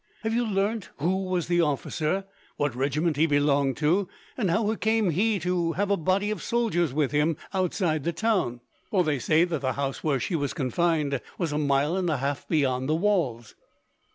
Have you learnt who was the officer, what regiment he belonged to, and how came he to have a body of soldiers with him, outside the town? For they say that the house where she was confined was a mile and a half beyond the walls."